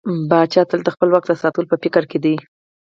پاچا تل د خپل واک د ساتلو په فکر کې دى.